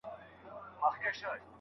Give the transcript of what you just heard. نسیم دي هر سبا راوړلای نوی نوی زېری